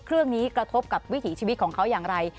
เครื่องนี้กระทบกับวิถีชีวิตของเขาอย่างไร